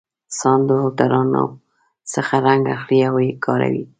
ساندو او ترانو څخه رنګ اخلي او یې کاروي.